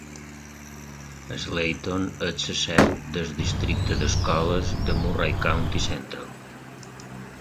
Slayton és la seu del districte d'escoles de Murray County Central.